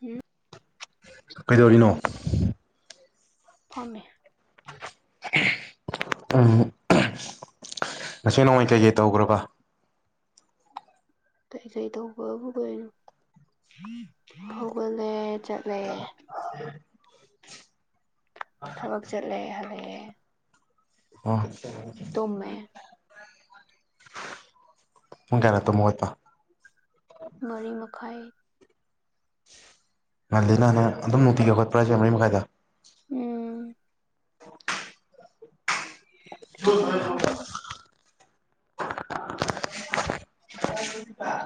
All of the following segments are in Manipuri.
ꯍꯨꯝ ꯀꯩꯗꯧꯔꯤꯅꯣ ꯐꯝꯃꯤ ꯎꯝ ꯉꯁꯤ ꯅꯣꯡꯃꯩ ꯀꯩꯀꯩ ꯇꯧꯒ꯭ꯔꯥꯕ ꯀꯩ ꯀꯩ ꯇꯧꯕꯕꯨ ꯀꯩꯅꯣ ꯍꯧꯒꯠꯂꯦ ꯆꯠꯂꯦ ꯊꯕꯛ ꯆꯠꯂꯦ ꯍꯜꯂꯛꯑꯦ ꯑꯣ ꯇꯨꯝꯃꯦ ꯄꯨꯡ ꯀꯌꯥꯗ ꯇꯨꯝ ꯍꯧꯒꯠꯄ ꯃꯔꯤ ꯃꯈꯥꯏ ꯉꯜꯂꯤꯅꯥ ꯅꯥ ꯑꯗꯨꯝ ꯅꯨꯡꯇꯤꯒꯤ ꯍꯧꯠꯒꯠꯄ꯭ꯔꯥ ꯍꯥꯏꯖ‌‌ꯦ ꯃꯔꯤ ꯃꯈꯥꯏꯗ ꯎꯝ ꯍꯧꯒꯠꯂꯦ ꯍꯧꯒꯠꯂꯦ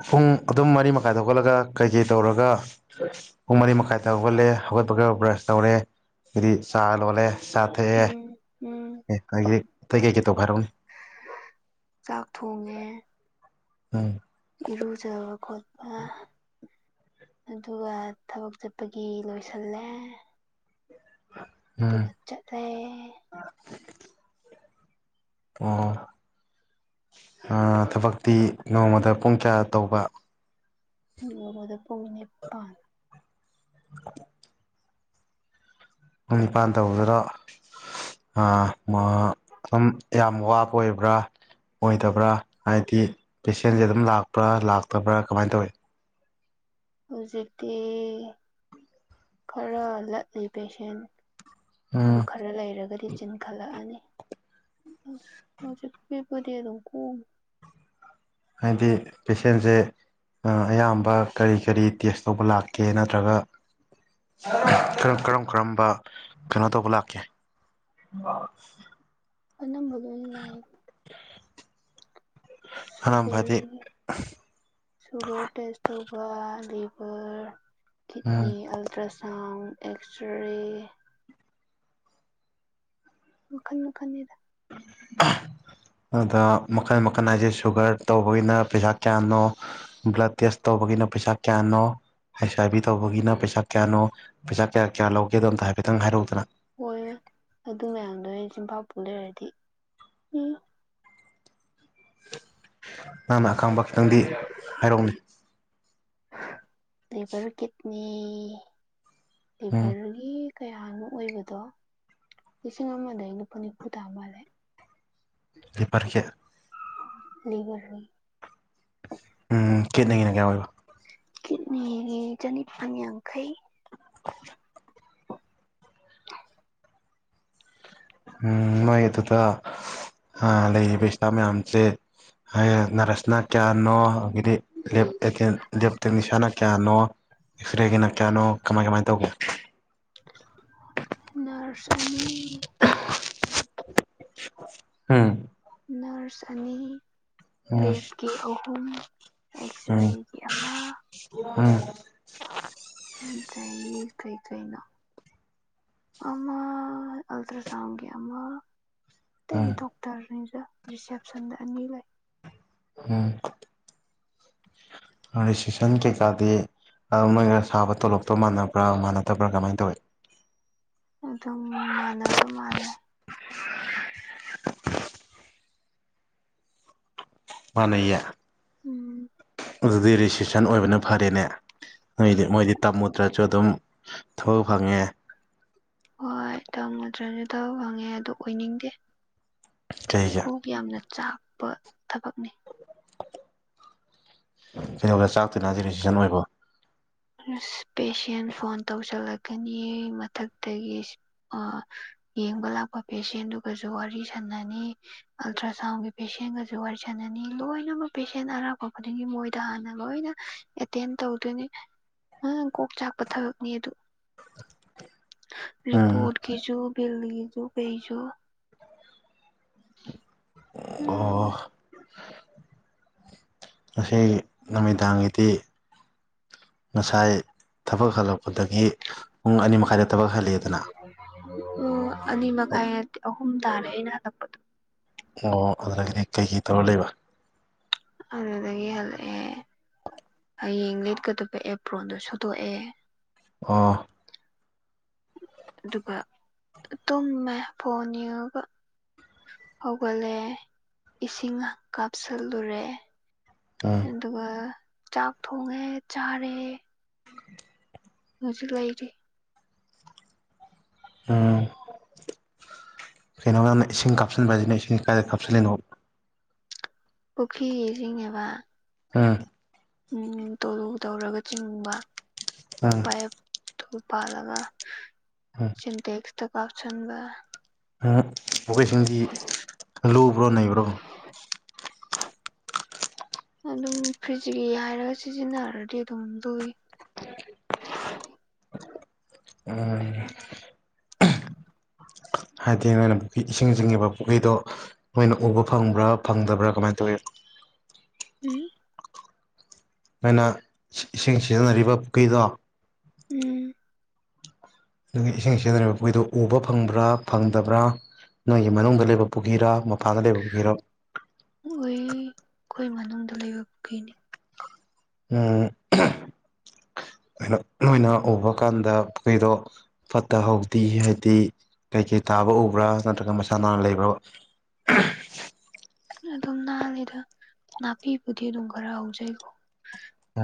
ꯄꯨꯡ ꯑꯗꯨꯝ ꯃꯔꯤ ꯃꯈꯥꯏꯗ ꯍꯧꯒꯠꯂꯒ ꯀꯩꯀꯩ ꯇꯧꯔꯒ ꯄꯨꯡ ꯃꯔꯤ ꯃꯈꯥꯏꯗ ꯍꯧꯒꯠꯂꯦ ꯍꯧꯒꯠꯄꯒ ꯕ꯭ꯔꯁ ꯇꯧꯔꯦ ꯑꯗꯤ ꯆꯥ ꯂꯣꯜꯂꯦ ꯆꯥ ꯊꯛꯑꯦ ꯑꯦ ꯎꯝ ꯎꯝ ꯑꯗꯒꯤ ꯑꯇꯩ ꯀꯩꯀꯩ ꯇꯧꯕꯥ ꯍꯥꯏꯔꯛꯑꯣꯅ‌ꯦ ꯆꯥꯛ ꯊꯣꯡꯉꯦ ꯎꯝ ꯏꯔꯨꯖꯕ ꯈꯣꯠꯄ ꯑꯗꯨꯒ ꯊꯕꯛ ꯆꯠꯄꯒꯤ ꯂꯣꯏꯁꯜꯂꯦ ꯑꯗꯨꯒ ꯆꯠꯂꯦ ꯑꯣ ꯍꯥ ꯊꯕꯛꯇꯤ ꯅꯣꯡꯃꯥꯗ ꯄꯨꯡ ꯀꯌꯥ ꯇꯧꯕ ꯅꯣꯡꯃꯥꯗ ꯄꯨꯡ ꯅꯤꯄꯥꯟ [inaudible] ꯄꯨꯡ ꯅꯤꯄꯥꯟ ꯇꯧꯕꯗꯨꯔ‌ꯣ ꯑꯥ ꯃꯥ ꯑꯝ ꯌꯥꯝ ꯋꯥꯕ ꯑꯣꯏꯕ꯭ꯔꯥ ꯑꯣꯏꯗꯕ꯭ꯔꯥ ꯍꯥꯏꯗꯤ ꯄꯦꯁꯦꯟ ꯗꯤ ꯑꯗꯨꯝ ꯂꯥꯛꯄ꯭ꯔꯥ ꯂꯥꯛꯇꯕ꯭ꯔꯥ ꯀꯃꯥꯏ ꯇꯧꯏ ꯍꯧꯖꯤꯛꯇꯤ ꯈꯔ ꯂꯠꯂꯤ ꯄꯦꯁꯦꯟ ꯎꯝ ꯑꯗ‌ꯣ ꯈꯠ ꯈꯔ ꯂꯩꯔꯒꯗꯤ ꯆꯤꯟꯈꯠꯂꯛꯑꯅꯤ ꯍꯧꯖꯤꯛꯀꯤ ꯄꯨꯗꯤ ꯑꯗꯨꯝ ꯀꯣꯝ ꯍꯥꯏꯗꯤ ꯄꯦꯁꯦꯟꯁ‌ꯦ ꯑꯥ ꯑꯌꯥꯝꯕ ꯀꯔꯤ ꯀꯔꯤ ꯇꯦꯁ ꯇꯧꯕ ꯂꯥꯛꯀꯦ ꯅꯠꯇ꯭ꯔꯒ ꯀꯔꯝ ꯀꯔꯝ ꯀꯔꯝꯕ ꯀꯩꯅꯣ ꯇꯧꯕ ꯂꯥꯛꯀꯦ ꯀꯅꯝꯕ ꯑꯗꯨꯝ ꯂꯥꯛꯢ [inaudible] ꯑꯅꯝꯕ ꯍꯥꯏꯗꯤ ꯁꯨꯒꯔꯒꯥ ꯁꯨꯒꯔ ꯇꯦꯁ ꯇꯧꯕ ꯂꯤꯚꯔ ꯎꯝ ꯀꯤꯠꯅꯤ ꯑꯜꯇ꯭ꯔ ꯁꯥꯎꯟ ꯑꯦꯛꯁ ꯔꯦ ꯃꯈꯟ ꯃꯈꯟꯅꯤꯗ [inaudible] ꯑꯗꯥ ꯃꯈꯟ ꯃꯈꯟ ꯍꯥꯏꯁꯦ ꯁꯨꯒꯔ ꯇꯧꯕꯒꯤꯅ ꯄꯩꯁꯥ ꯀꯌꯥꯅꯣ ꯕ꯭ꯂꯠ ꯇꯦꯁ ꯇꯧꯕꯒꯤꯅ ꯄꯩꯁꯥ ꯀꯌꯥꯅꯣ ꯍꯥꯏꯁ ꯑꯥꯏ ꯕꯤ ꯇꯧꯕꯒꯤꯅ ꯄꯩꯁꯥ ꯀꯌꯥꯅꯣ ꯄꯩꯁꯥ ꯀꯌꯥ ꯀꯌꯥ ꯂꯧꯒꯦꯗꯣ ꯑꯝꯇ ꯍꯥꯏꯐꯦꯠꯇꯪ ꯍꯥꯏꯔꯛꯎꯗꯅ ꯑ‌ꯣꯏꯃꯥ ꯑꯗꯨ ꯃꯌꯥꯝꯗꯣ ꯑꯩ ꯆꯤꯝꯐꯥ ꯄꯨ ꯂꯩꯔꯗꯤ ꯎꯝ ꯅꯪꯅ ꯑꯈꯪꯕ ꯈꯤꯇꯪꯗꯤ ꯍꯥꯏꯔꯛꯎꯅ‌ꯦ ꯂꯤꯚꯔ ꯀꯤꯠꯅꯤ ꯎꯝ ꯂꯤꯚꯔ ꯒꯤ ꯀꯌꯥꯅꯣ ꯑꯣꯏꯕꯗꯣ ꯂꯤꯁꯤꯡ ꯑꯃꯗꯒꯤ ꯂꯨꯄꯥ ꯅꯤꯐꯨ ꯇꯥ ꯃꯥꯜꯂꯦ ꯂꯤꯚꯔꯒꯤ ꯂꯤꯚꯔ ꯒꯤ ꯎꯝ ꯀꯤꯠꯅꯤ ꯒꯤ ꯅꯥ ꯀꯌꯥ ꯑꯣꯏꯕ ꯀꯤꯠꯅꯤꯒꯤ ꯆꯥꯅꯤꯄꯥꯟ ꯌꯥꯡꯈꯩ ꯎꯝ ꯃꯣꯏ ꯑꯗꯨꯗ ꯑꯥ ꯂꯩꯔꯤꯕ ꯏꯁꯇꯥꯕ ꯃꯌꯥꯝꯖ‌ꯦ ꯍꯥꯌꯦꯡ ꯅꯔꯁꯅꯥ ꯀꯌꯥꯅꯣ ꯑꯗꯒꯤꯗꯤ ꯂꯦꯞ ꯇꯦꯛꯅꯤꯁꯤꯌꯥꯅ ꯀꯌꯥꯅꯣ ꯑꯦꯛꯁꯇꯔ꯭ꯦꯒꯤꯅ ꯀꯌꯥꯅꯣ ꯀꯃꯥꯏ ꯀꯃꯥꯏꯅ ꯇꯧꯒꯦ ꯅꯔ꯭ꯁ ꯑꯅꯤ ꯎꯝ. ꯅꯔꯁ ꯑꯅꯤ ꯎꯝ ꯂꯦꯞꯀꯤ ꯑꯍꯨꯝ ꯎꯝ ꯑꯦꯛꯁꯇꯔ꯭ꯦꯒꯤ ꯑꯃ ꯎꯝ [unintelligible] ꯇꯌꯦ ꯀꯩ ꯀꯩꯩꯅꯣ ꯑꯃ ꯑꯜꯇ꯭ꯔ ꯁꯥꯎꯟꯒꯤ ꯑꯃ ꯑꯇꯩ ꯊꯣꯛ [unintelligible] ꯔꯤꯁꯦꯞꯁꯟꯗ ꯑꯅꯤ ꯂꯩ ꯎꯝ ꯔꯤꯁꯤꯞꯁꯟ ꯀꯩꯀꯥꯗꯤ ꯑ ꯃꯣꯏꯒ ꯁꯥꯕ ꯇꯣꯂꯣꯞꯇꯣ ꯃꯥꯟꯅꯕ꯭ꯔꯥ ꯃꯥꯟꯅꯗꯕ꯭ꯔꯥ ꯀꯃꯥꯏꯅ ꯇꯧꯏ ꯑꯗꯨꯝ ꯃꯥꯟꯅꯕ ꯃꯥꯜꯂꯦ ꯃꯥꯟꯅꯩꯌꯦ ꯎꯝ ꯑꯗꯨꯗꯤ ꯔꯤꯁꯤꯞꯁꯟ ꯑꯣꯏꯕꯅ ꯐꯔꯦꯅꯦ ꯅꯣꯏꯗꯤ ꯃꯣꯏꯗꯤ ꯇꯝꯃꯨꯗ꯭ꯔ ꯁꯨ ꯑꯗꯨꯝ ꯊꯥꯕꯛ ꯐꯪꯉꯦ ꯍꯣꯏ ꯇꯝꯃꯨꯗ꯭ꯥꯔꯁꯨ ꯊꯥꯕꯛ ꯐꯪꯉꯦ ꯑꯗꯨ ꯑꯣꯏꯅꯤꯡꯗꯦ ꯀꯩꯒꯤ ꯀꯣꯛ ꯌꯥꯝꯅ ꯆꯥꯛꯄ ꯊꯥꯕꯛꯅꯤ ꯀꯩꯗꯧꯕꯗ ꯆꯥꯛꯇꯨꯏꯅꯣ ꯍꯥꯢꯁꯦ ꯕꯤꯁꯤꯞꯁꯟ ꯑꯣꯢꯕꯣ ꯑꯁ ꯄꯦꯁꯦꯟ ꯐꯣꯟ ꯇꯧꯁꯤꯜꯂꯛꯀꯅꯤ ꯃꯊꯛꯇꯒꯤ ꯑ ꯌꯦꯡꯕ ꯂꯥꯛꯄ ꯄꯦꯁꯦꯟꯗꯨꯒꯁꯨ ꯋꯥꯔꯤ ꯁꯥꯟꯅꯅꯤ ꯑꯜꯇ꯭ꯔ ꯁꯥꯎꯟꯒꯤ ꯄꯦꯁꯦꯟꯒꯁꯨ ꯋꯥꯔꯤ ꯁꯥꯟꯅꯅꯤ ꯂꯣꯏꯅꯃꯛ ꯄꯦꯁꯦꯟ ꯑꯔꯥꯞꯄ ꯈꯨꯗꯤꯡꯒꯤ ꯃꯣꯏꯗ ꯍꯥꯟꯅ ꯂꯣꯏꯅ ꯑꯦꯇꯦꯟ ꯇꯧꯗꯨꯢꯅꯤ ꯑꯪ ꯀꯣꯛ ꯆꯥꯛꯄ ꯊꯥꯕꯛꯅꯤ ꯑꯗꯨ ꯎꯝ ꯔꯤꯄꯣꯔꯠ ꯀꯤꯁꯨꯨ ꯕꯤꯜ ꯀꯤꯁꯨꯨ ꯀꯩꯁꯨ ꯑꯣ... ꯉꯁꯤ ꯅꯨꯃꯤꯗꯥꯡꯒꯤꯗꯤ ꯉꯁꯥꯏ ꯊꯥꯕꯛ ꯍꯜꯂꯛꯄꯗꯒꯤ ꯄꯨꯡ ꯑꯅꯤ ꯃꯈꯥꯏꯗ ꯊꯥꯕꯛ ꯍꯜꯂꯛꯑꯦꯗꯅ ꯎꯝ ꯑꯅꯤ ꯃꯈꯥꯏ ꯅꯠꯇꯦ ꯑꯍꯨꯝ ꯇꯥꯔꯦ ꯑꯩꯅ ꯍꯟꯂꯛꯄꯗꯣ ꯑꯣ ꯑꯗꯨꯗꯒꯤꯗꯤ ꯀꯩꯀꯩ ꯇꯧꯔ ꯂꯩꯕ ꯑꯗꯨꯗꯒꯤ ꯍꯜꯂꯛꯑꯦ ꯍꯌꯦꯡ ꯂꯤꯠꯀꯥꯗꯕ ꯑꯦꯞꯄ꯭ꯔꯣꯟꯗꯣ ꯁꯨꯗꯣꯛꯑꯦ ꯑꯣ... ꯑꯗꯨꯒ ꯇꯨꯝꯃꯦ ꯐꯣꯟ ꯌꯣꯡꯉꯒꯥ ꯍꯧꯒꯠꯂꯦ ꯏꯁꯤꯡ ꯀꯥꯞꯁꯤꯜꯂꯨꯔꯦ ꯎꯝ ꯑꯗꯨꯒ ꯆꯥꯛ ꯊꯣꯡꯉꯦ ꯆꯥꯔꯦ ꯍꯧꯖꯤꯛ ꯂꯩꯔꯤ ꯎꯝ ꯀꯩꯅꯣꯅꯦ ꯏꯁꯤꯡ ꯀꯥꯞꯁꯤꯟꯕꯁꯤꯅ ꯏꯁꯤꯡ ꯀꯥꯏꯗ ꯀꯥꯞꯁꯤꯜꯂꯤꯅꯣ ꯄꯨꯈ꯭ꯔꯤ ꯏꯁꯤꯡꯅꯦꯕ ꯎꯝ ꯎꯝ ꯇꯣꯂꯨ ꯇꯧꯔꯒ ꯆꯤꯡꯕ ꯎꯝ [unintelligible] ꯄꯥꯜꯂꯒ ꯎꯝ ꯁꯦꯟꯇꯦꯛꯁꯇ ꯀꯥꯞꯁꯤꯟꯕ ꯎ ꯄꯨꯈꯔ꯭ꯤ ꯏꯁꯤꯡꯗꯤ ꯂꯨꯕ꯭ꯔꯣ ꯅꯩꯕ꯭ꯔꯣ ꯑꯗꯨꯝ ꯐ꯭ꯔꯤꯖꯤꯒꯤ ꯍꯥꯏꯔꯒ ꯁꯤꯖꯤꯟꯅꯔꯗꯤ ꯑꯗꯨꯝ ꯂꯨꯏ ꯎꯝ ꯍꯥꯏꯗꯤ ꯅꯣꯏꯅ ꯄꯨꯈ꯭ꯔꯤ ꯏꯁꯤꯡ ꯆꯤꯡꯉꯤꯕ ꯄꯨꯈ꯭ꯔꯤꯗꯣ ꯅꯣꯏꯅ ꯎꯕ ꯐꯪꯕ꯭ꯔꯥ ꯐꯪꯗꯕ꯭ꯔꯥ ꯀꯃꯥꯏꯅ ꯇꯧꯋꯤ ꯎꯝ ꯑꯩꯈꯣꯏꯅ ꯏꯁꯤꯡ ꯁꯤꯖꯤꯟꯅꯔꯤꯕ ꯄꯨꯈ꯭ꯔꯤꯗꯣ ꯎꯝ ꯑꯗꯨꯒꯤ ꯏꯁꯤꯡ ꯁꯤꯖꯤꯟꯅꯔꯤꯕ ꯄꯨꯈꯣꯏꯗꯨꯣ ꯎꯕ ꯐꯪꯕ꯭ꯔꯥ ꯐꯪꯗꯕ꯭ꯔꯥ ꯅꯣꯏꯒꯤ ꯃꯅꯨꯡꯗ ꯂꯩꯕ ꯄꯨꯈꯤꯔꯥ ꯃꯄꯥꯟꯗ ꯂꯩꯕ ꯄꯨꯈꯤꯔꯥ ꯍꯣꯏ ꯑꯩꯈꯣꯏ ꯃꯅꯨꯡꯗ ꯂꯩꯕ ꯄꯨꯏꯅꯤ ꯎꯝ ꯀꯩꯅꯣ ꯅꯣꯏꯅ ꯎꯕ ꯀꯥꯟꯗ ꯄꯨꯈꯔꯤꯗꯣ ꯐꯠꯇꯍꯧꯗꯤ ꯍꯥꯏꯗꯤ ꯀꯩꯀꯩ ꯇꯥꯕ ꯎꯕ꯭ꯔꯥ ꯅꯠꯇ꯭ꯔꯒ ꯃꯁꯥ ꯅꯥꯟꯅ ꯂꯩꯕ꯭ꯔꯥ [inaudible] ꯑꯗꯨꯝ ꯅꯍꯥꯟꯜꯂꯤꯗ ꯅꯥꯄꯤꯕꯨꯗꯤ ꯑꯗꯨꯝ ꯈꯔ ꯍꯧꯖꯩꯀꯣ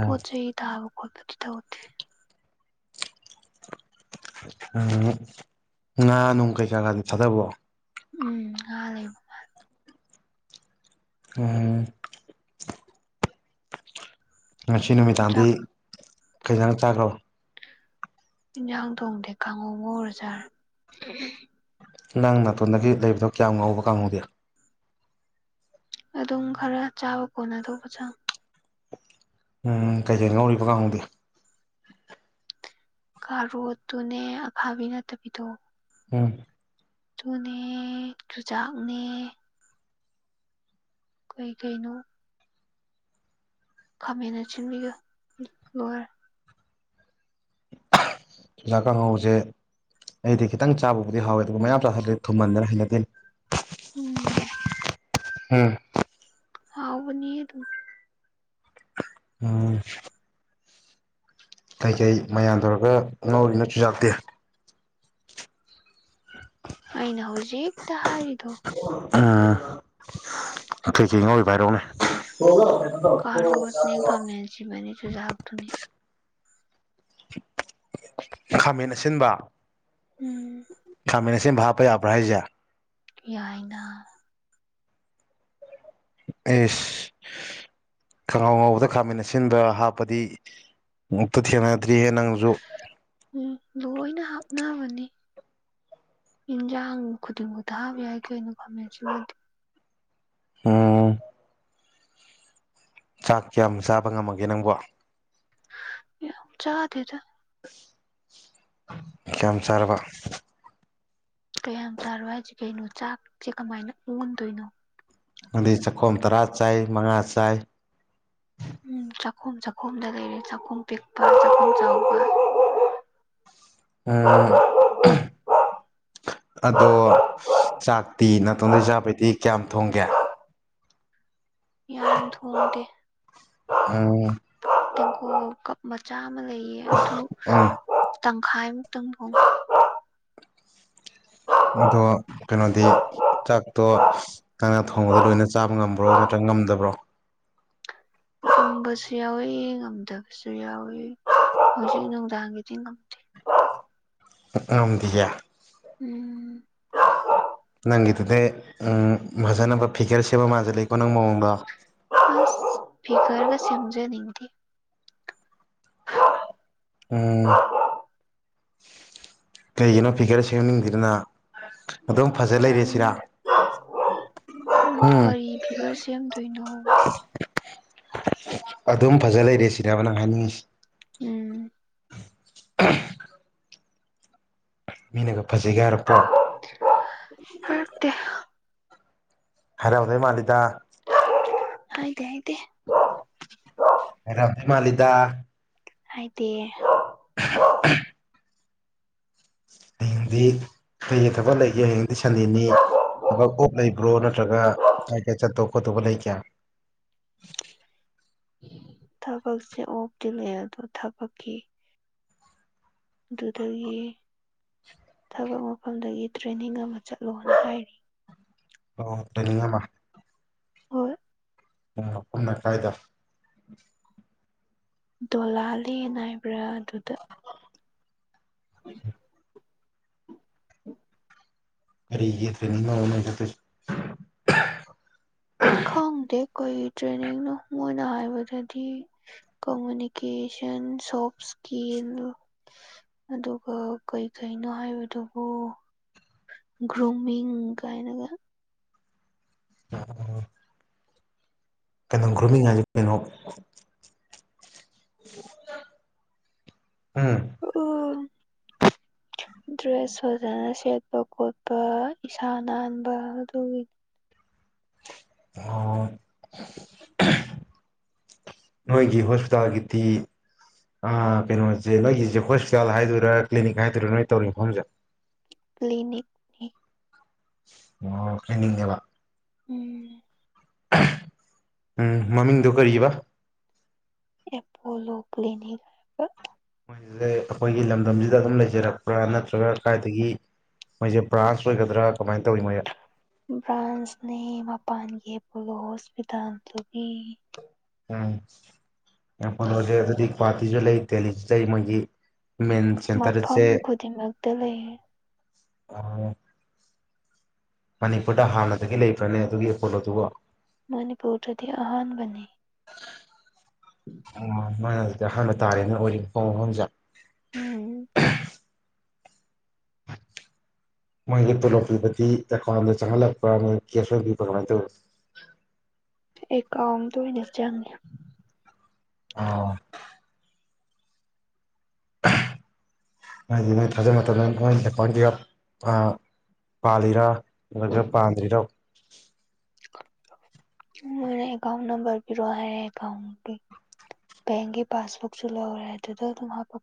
ꯄꯣꯠ ꯆꯩꯩ ꯇꯕ ꯀꯗꯤ ꯇꯧꯦ ꯎꯝ ꯉꯥ ꯅꯨꯡ ꯀꯩꯀꯥ ꯀꯥꯗꯤ ꯊꯥꯗꯕꯣ ꯎꯝ ꯍ ꯂꯩ ꯑ ꯉꯁꯤ ꯅꯨꯃꯤꯗꯥꯡꯗꯤ ꯆꯥꯛ ꯀꯩꯗꯔ ꯆꯥꯈ꯭ꯔꯣ ꯌꯦꯟꯖꯥꯡ ꯊꯣꯡꯗꯦ ꯈꯉꯧꯉꯔꯖꯥꯔ ꯅꯪ ꯅꯥꯇꯣꯟꯗꯒꯤ ꯂꯩꯕꯗꯣ ꯀꯌꯥꯝ ꯉꯥꯎꯕ ꯀꯥꯡꯍꯧꯗꯦ ꯑꯗꯨꯝ ꯈꯔ ꯆꯥꯕ ꯀꯣꯟꯅ ꯇꯧꯕꯁꯨ ꯎꯝ ꯀꯩꯀꯩ ꯉꯧꯔꯤꯕ ꯀꯥꯡꯧꯗꯦ ꯀꯥꯔꯣꯠꯇꯨꯅꯦ ꯑꯐꯥꯕꯤ ꯅꯠꯇꯕꯤꯗꯣꯛꯑꯣ ꯎꯝ ꯨꯅꯦ ꯆꯨꯖꯥꯛꯅꯦ ꯀꯩ ꯀꯩꯅꯣ ꯈꯃꯥꯏꯅ ꯁꯤꯟꯕꯤꯒꯔ ꯄꯨꯖꯥꯛ ꯀꯥꯡꯍꯧꯁꯦ ꯑꯩꯗꯤ ꯈꯤꯇꯪ ꯆꯥꯕꯕꯨꯗꯤ ꯍꯥꯎꯋꯦ ꯑꯗꯨꯒ ꯃꯌꯥꯝ ꯆꯥꯁꯤꯂꯦ ꯊꯨꯝꯍꯟꯗꯅ ꯍꯩꯅꯗꯦ ꯎꯝ ꯍꯝ ꯍꯥꯎꯕꯅꯤꯌꯦ ꯇ ꯑꯝ ꯀꯩꯀꯩ ꯃꯌꯥꯝ ꯇꯧꯔꯒ ꯉꯧꯔꯤꯅꯁꯨꯨꯖꯥꯠꯇꯦ ꯑꯩꯅ ꯍꯧꯖꯤꯛꯇ ꯍꯥꯏꯔꯤꯗꯣ ꯎꯝ ꯐꯤ ꯀꯩ ꯉꯧꯔꯤꯚꯥꯏꯔꯣꯅꯦ ꯍ ꯁꯤꯖꯤ ꯃꯅꯤ ꯇ ꯌꯥꯍ ꯊꯨꯡꯅꯤ ꯈꯥꯃꯦꯟ ꯑꯁꯤꯟꯕ ꯎꯝ ꯈꯥꯃꯦꯟ ꯁꯦꯝꯕ ꯍꯥꯞꯄ ꯌꯥꯕ꯭ꯔꯥ ꯍꯥꯏꯁꯦ ꯌꯥꯏꯅ ꯑꯦꯁ ꯈꯉꯥꯎ ꯉꯥꯎꯧꯕꯗ ꯈꯥꯃꯤꯟꯅ ꯑꯁꯤꯟꯕ ꯍꯥꯞꯄꯗꯤ ꯑꯃꯨꯛꯇ ꯊꯦꯡꯅꯗ꯭ꯔꯤꯍꯦ ꯅꯪꯁꯨ ꯎꯝ ꯂꯣꯏꯅ ꯍꯥꯞꯅꯕꯅꯤ ꯌꯦꯟꯁꯥꯡ ꯈꯨꯗꯤꯡꯃꯛꯇ ꯍꯥꯕ ꯌꯥꯏ ꯀꯩꯅꯣ ꯈꯝꯃꯦ ꯁꯤꯃꯗꯤ ꯎꯝ ꯆꯥꯛ ꯀꯌꯥꯝ ꯆꯥꯕ ꯉꯝꯃꯒꯦ ꯅꯪꯕꯣ ꯆꯥꯗꯦꯗ ꯀꯌꯥꯝ ꯆꯥꯔꯕ ꯀꯌꯥꯝ ꯆꯥꯔꯕ ꯍꯥꯏꯁꯤ ꯀꯩꯅꯣ ꯆꯥꯛꯁꯦ ꯀꯃꯥꯏꯅ ꯑꯣꯟꯗꯣꯏꯅꯣ ꯗꯤ ꯆꯥꯛꯈꯣꯝ ꯇꯔꯥ ꯆꯥꯏ ꯃꯉꯥ ꯆꯥꯏ ꯎꯝ ꯆꯥꯛꯈꯣꯝ ꯆꯥꯛꯈꯣꯝꯗ ꯂꯩꯔꯦ ꯆꯥꯛꯈꯨꯝ ꯄꯤꯛꯄ ꯆꯥꯛꯈꯨꯝ ꯆꯥꯎꯕ ꯎꯝ ꯑꯗꯣ ꯆꯥꯛꯇꯤ ꯅꯠꯇꯣꯟꯗꯩ ꯆꯥꯄꯩꯗꯤ ꯀꯌꯥꯝ ꯊꯣꯡꯒꯦ ꯌꯥꯝ ꯊꯣꯡꯗꯦ ꯑꯣ ꯇꯦꯟꯒꯣꯠ ꯃꯆꯥ ꯑꯃ ꯂꯩꯌꯦ ꯑꯗꯨ ꯑꯝ ꯇꯪꯈꯥꯏꯃꯨꯛꯇꯪ ꯊꯣꯡꯉꯦ ꯑꯗꯣ ꯀꯩꯅꯣꯗꯤ ꯆꯥꯛꯇꯣ ꯅꯪꯏ ꯊꯣꯡꯕꯗꯣ ꯂꯣꯏꯅ ꯆꯥꯕ ꯉꯝꯕ꯭ꯔꯣ ꯅꯠꯇ꯭ꯔꯒ ꯉꯝꯗꯕ꯭ꯔꯣ ꯉꯝꯕꯁꯨ ꯌꯥꯎꯏ ꯉꯝꯗꯕꯁꯨ ꯌꯥꯎꯋꯦ ꯍꯧꯖꯤꯛ ꯅꯨꯡꯗꯥꯡꯒꯤꯗꯤ ꯉꯝꯃꯦ ꯉꯝꯗꯦꯌꯦ ꯎꯝ ꯅꯪꯒꯤꯗꯨꯗꯤ ꯎꯝ ꯐꯖꯅꯕ ꯐꯤꯒꯔ ꯁꯦꯝꯕ ꯃꯥꯟꯁꯤꯟꯂꯛꯀꯣ ꯅꯪ ꯃꯑꯣꯡꯗꯣ ꯑꯁ ꯐꯤꯒꯔꯗ ꯁꯦꯝꯖꯅꯤꯡꯗꯦ ꯎꯝ ꯀꯩꯒꯤꯅꯣ ꯐꯤꯒꯥꯔ ꯁꯦꯝꯅꯤꯡꯗꯔꯤꯗꯨꯅ ꯑꯗꯨꯝ ꯐꯖ ꯂꯩꯔꯦ ꯁꯤꯔ ꯇꯜꯂꯦ ꯀꯔꯤ ꯐꯤꯒꯔ ꯁꯦꯝꯗꯣꯏꯅꯣ ꯑꯗꯨꯝ ꯐꯖ ꯂꯩꯔꯦ ꯁꯤꯔꯦꯕ ꯅꯪ ꯍꯥꯏꯅꯤꯡꯉꯤꯁꯤ ꯎꯝ ꯂ [unintelligible] ꯃꯤꯅꯒ ꯐꯖꯩꯒ ꯍꯥꯏꯔꯛꯄ꯭ꯔꯣ ꯍꯥꯏꯔꯛꯇꯦ ꯍꯥꯢꯔꯛꯑꯝꯗꯧ ꯃꯥꯂꯤꯗ ꯍꯥꯏꯗꯦ ꯍꯥꯏꯗꯦ ꯍꯥꯢꯔꯝꯗꯧ ꯃꯥꯜꯂꯤꯗ ꯍꯥꯏꯗꯦ ꯍ [unintelligible] ꯍꯌꯦꯡꯗꯤ ꯀꯩꯒꯤ ꯊꯕꯛ ꯂꯩꯒꯦ ꯍꯌꯦꯡꯗꯤ ꯁꯟꯗꯦꯅꯤ ꯊꯕꯛ ꯑꯣꯞ ꯂꯩꯕ ꯕ꯭ꯔꯣ ꯅꯠꯇ꯭ꯔꯒ ꯀꯥꯢ ꯀꯥꯢ ꯆꯠꯇꯧꯕ ꯈꯣꯠꯇꯧꯕ ꯂꯩꯒꯦ ꯊꯕꯛꯁꯦ ꯑꯣꯞꯇꯤ ꯂꯩ ꯑꯗꯣ ꯊꯕꯛꯀꯤ ꯑꯗꯨꯗꯒꯤ ꯊꯕꯛ ꯃꯐꯝꯗꯒꯤ ꯇ꯭ꯔꯦꯅꯤꯡ ꯑꯃ ꯆꯠꯂꯣꯅ ꯍꯥꯏꯔꯤ ꯑꯣ ꯇꯔꯦꯅꯤꯡ ꯑꯃ ꯍꯣꯏ ꯇꯔꯦꯅꯤꯡ ꯃꯐꯝꯅ ꯀꯥꯢꯗ ꯗꯣꯂꯥꯂꯦꯟ ꯍꯥꯏꯕ꯭ꯔꯥ ꯑꯗꯨꯗ [unintelligible] [inaudible] ꯀꯔꯤꯒꯤ ꯇ꯭ꯔꯦꯅꯤꯡꯅꯣꯕ ꯅꯣꯏ ꯆꯠꯇꯨꯢꯁꯤꯅ ꯈꯪꯗꯦ ꯀꯩ ꯇ꯭ꯔꯦꯅꯤꯡꯅꯣ ꯃꯣꯏꯅ ꯍꯥꯏꯕꯗꯗꯤ ꯀꯃꯨꯅꯤꯀꯦꯁꯟ ꯁꯣꯐ ꯁꯀꯤꯜ ꯑꯗꯨꯒ ꯀꯩ ꯀꯩꯅꯣ ꯍꯥꯏꯕꯗꯨꯕꯨ ꯒ꯭ꯔꯨꯃꯤꯡ ꯀꯥꯏꯅꯒ [unintelligible] ꯀꯩꯅꯣ ꯒ꯭ꯔꯨꯝꯃꯤꯡ ꯍꯥꯏꯗꯤ ꯀꯩꯅꯣ ꯍꯨꯝ [unintelligible] ꯑꯣꯑꯝ [unintelligible] ꯗ꯭ꯔꯦꯁ ꯐꯖꯅ ꯁꯦꯠꯄ ꯈꯣꯠꯄ ꯏꯁꯥ ꯅꯥꯟꯕ ꯑꯗꯨꯒꯤ ꯑꯣ [unintelligible] ꯅꯣꯏꯒꯤ ꯍꯣꯁꯄꯤꯇꯥꯜꯒꯤꯗꯤ ꯑꯥ ꯀꯩꯅꯣꯁꯦ ꯅꯣꯏꯒꯤꯁꯦ ꯍꯣꯁꯄꯤꯇꯥꯜ ꯍꯥꯏꯗꯣꯏꯔꯥ ꯀ꯭ꯂꯤꯅꯤꯛ ꯍꯥꯏꯗꯣꯏꯔꯥ ꯅꯣꯏ ꯇꯧꯔꯤ ꯃꯐꯝꯁꯦ ꯀ꯭ꯂꯤꯅꯤꯛ ꯑꯣ ꯀ꯭ꯂꯤꯅꯤꯛꯅꯦꯕ ꯎꯝ ꯎꯝ ꯃꯃꯤꯡꯗꯣ ꯀꯔꯤꯕ ꯑꯦꯄꯣꯂꯣ ꯀ꯭ꯂꯤꯅꯤꯛ ꯍꯥꯏꯕ ꯃꯣꯏꯖꯦ ꯑꯩꯈꯣꯏꯒꯤ ꯂꯝꯗꯝꯁꯤꯗ ꯑꯗꯨꯝ ꯂꯩꯖꯔꯛꯄ꯭ꯔꯥ ꯅꯠꯇ꯭ꯔꯒ ꯀꯥꯏꯗꯒꯤ ꯃꯣꯏꯁꯦ ꯕ꯭ꯔꯥꯟꯁ ꯑꯣꯏꯒꯗ꯭ꯔꯥ ꯀꯃꯥꯏꯅ ꯇꯧꯏ ꯃꯣꯏꯌꯦ ꯕ꯭ꯔꯥꯟꯁꯅꯦ ꯃꯄꯥꯟꯒꯤ ꯑꯦꯄꯣꯂꯣ ꯍꯣꯁꯄꯤꯇꯥꯜꯗꯨꯒꯤ ꯎꯝ ꯑꯦꯄꯣꯂꯣ ꯖꯦ ꯑꯗꯨꯗꯤ ꯒꯨꯍꯥꯇꯤꯁꯨ ꯂꯩ ꯗꯦꯜꯂꯤꯁꯨ ꯂꯩ ꯃꯣꯏꯒꯤ ꯃꯦꯟ ꯃꯐꯝ ꯁꯦꯟꯇꯔꯁꯦ ꯈꯨꯗꯤꯡꯃꯛꯇ ꯂꯩꯌꯦ ꯃꯅꯤꯄꯨꯔꯗ ꯍꯥꯟꯅꯗꯒꯤ ꯂꯩꯕ꯭ꯔꯅꯦ ꯑꯗꯨꯒꯤ ꯑꯦꯄꯣꯂꯣꯗꯨꯕꯣ ꯃꯅꯤꯄꯨꯔꯗꯗꯤ ꯑꯍꯥꯟꯕꯅꯤ [unintelligible] ꯎꯝ ꯃꯣꯏꯒꯤ ꯇꯣꯂꯣꯞ ꯄꯤꯕꯗꯤ ꯑꯦꯀꯥꯎꯟꯗ ꯆꯪꯍꯜꯂꯛꯄꯔꯥ ꯅꯣꯏ ꯀꯦꯁ ꯑꯣꯏꯅ ꯄꯤꯕ꯭ꯔꯥ ꯀꯃꯥꯏꯅ ꯇꯧꯌꯦ ꯑꯦꯀꯥꯎꯟꯗ ꯑꯣꯏꯅ ꯆꯪꯉꯦ ꯑꯥꯎ ꯍꯥꯏꯗꯤ ꯅꯣꯏ ꯊꯥꯖꯅꯇꯅ‌ ꯑꯦꯀꯥꯎꯟ ꯀꯩꯌꯥ ꯑꯥ [unintelligible] ꯄꯥꯜꯂꯤꯔꯥ ꯅꯠꯇ꯭ꯔ ꯄꯥꯟꯗ꯭ꯔꯤꯔꯥ ꯃꯣꯏꯅ ꯑꯦꯀꯥꯎꯟ ꯅꯝꯕꯔ ꯄꯤꯔꯣ ꯍꯥꯏꯌꯦ ꯑꯦꯀꯥꯎꯟꯄꯤ ꯕꯦꯡꯒꯤ ꯄꯥꯁꯕꯨꯛꯁꯨ ꯂꯧꯔꯦ ꯑꯗꯨꯗ ꯑꯗꯨꯝ ꯍꯥꯞꯄꯛ